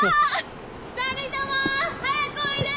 ２人とも早くおいで！